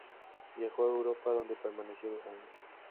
Viajó a Europa donde permaneció dos años.